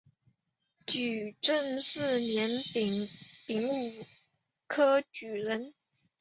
雍正四年丙午科举人。